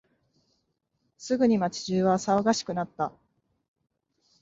すぐに街中は騒がしくなった。